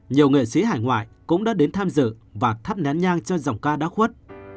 nhiều nghệ sĩ hải ngoại cũng đã đến tham dự và thắp nén nhang cho dòng ca đã khuất